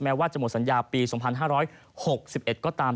ว่าจะหมดสัญญาปี๒๕๖๑ก็ตาม